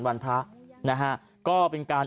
วันพระนะฮะก็เป็นการ